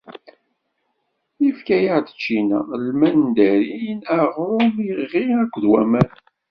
Ifka-aɣ-d ččina, lmandarin, aɣṛum, iɣi akked waman.